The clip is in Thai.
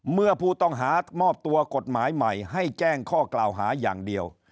เมื่อผู้ต้องหามอบตัวกฎหมายใหม่ให้แจ้งข้อกล่าวหาอย่างเดียว